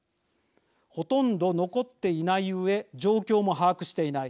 ほとんど残っていないうえ状況も把握していない。